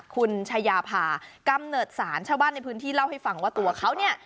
คุณชายาภากำเนิดสารชาวบ้านในพื้นที่เล่าให้ฟังว่าตัวเขาเนี่ย